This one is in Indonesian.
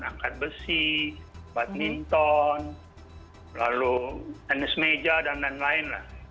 angkat besi badminton lalu tenis meja dan lain lain lah